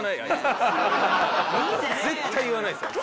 絶対言わないですよ